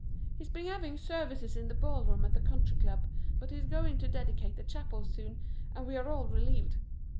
He's been having services in the ballroom at the Country Club but he is going to dedicate the chapel soon and we are all relieved.